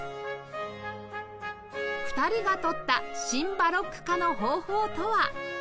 ２人がとったシン・バロック化の方法とは？